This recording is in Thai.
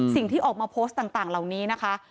สิ่งที่ออกมาโพสต์ต่างเหล่านี้นะคะ